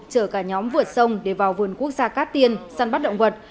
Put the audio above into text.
chở cả nhóm vượt sông để vào vườn quốc gia cắt tiền săn bắt động vật